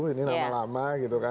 ini nama lama gitu kan